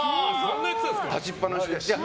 立ちっぱなしで。